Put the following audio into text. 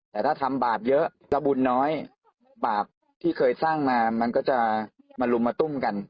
แต่ถ้าทำบาปเยอะแล้วบุญน้อยบาปที่เคยสร้างมามันก็จะมาลุมมาตุ้มกัน